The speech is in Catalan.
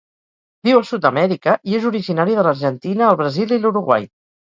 Viu a Sud-amèrica i és originària de l'Argentina, el Brasil i l'Uruguai.